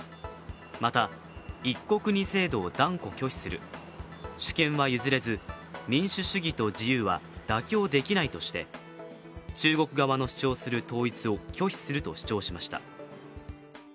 また、一国二制度を断固拒否する、主権は譲れず、民主主義と自由は妥協できないとして中国側の主張する統一を拒否すると主張しました。